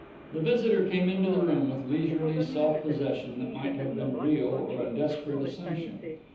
The visitor came into the room with leisurely self possession that might have been real or a desperate assumption.